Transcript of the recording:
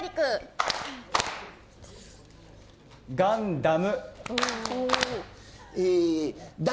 ガンダム。